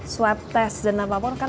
swab test dan apapun kan